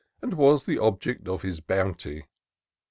And was the object of his bounty.